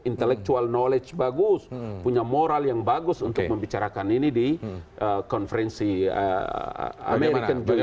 intellectual knowledge bagus punya moral yang bagus untuk membicarakan ini di konferensi american juga